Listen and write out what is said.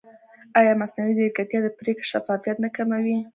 ایا مصنوعي ځیرکتیا د پرېکړې شفافیت نه کموي؟